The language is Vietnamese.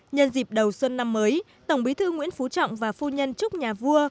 nhân dịp đầu xuân năm mới tổng bí thư nguyễn phú trọng và phu nhân chúc nhà vua